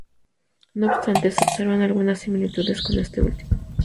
No obstante, se observan algunas similitudes con este último.